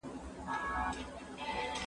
هغه څوک چې اوبه څښي روغ وي؟